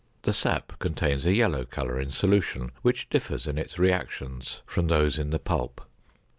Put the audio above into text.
The sap contains a yellow color in solution which differs in its reactions from those in the pulp.